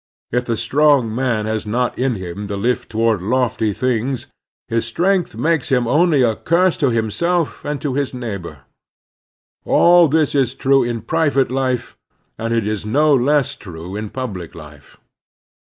If the strong man has not in him the lift toward lofty things his strength makes him only a curse to himself and to his neighbor. All this is true in private life, and it is no less true in pubUc life.